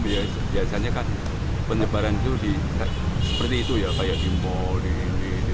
biasanya kan penyebaran itu seperti itu ya kayak kumpul ini ini ini